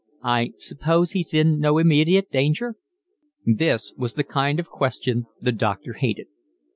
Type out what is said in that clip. "I suppose he's in no immediate danger?" This was the kind of question the doctor hated.